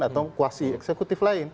atau kuasi eksekutif lain